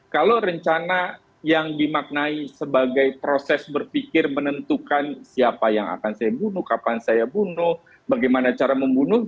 kalau rencana yang dimaknai sebagai proses berpikir menentukan siapa yang akan saya bunuh kapan saya bunuh bagaimana cara membunuh